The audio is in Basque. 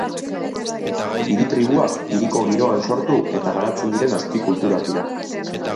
Hiri-tribuak hiriko giroan sortu eta garatzen diren azpikulturak dira.